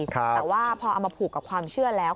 แต่ว่าพอเอามาผูกกับความเชื่อแล้ว